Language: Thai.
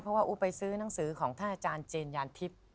เพราะว่าอุ๊ไปซื้อหนังสือของท่านอาจารย์เจนยานทิพย์